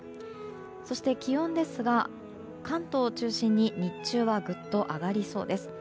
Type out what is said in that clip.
そして、気温ですが関東を中心に日中はぐっと上がりそうです。